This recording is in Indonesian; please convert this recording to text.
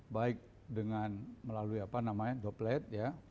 baik dengan melalui apa namanya doplet ya